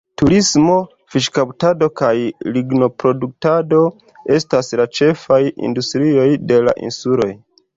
Turismo, fiŝkaptado kaj lignoproduktado estas la ĉefaj industrioj de la insuloj.